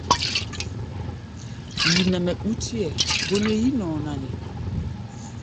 Yi nɛ mɛ ɓútí hɛ̧ɛ̧, bó nɛ́ yí-nɔɔ na nde?